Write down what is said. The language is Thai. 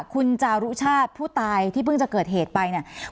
คุณจารุชาติผู้ตายที่เพิ่งจะเกิดเหตุไปเนี่ย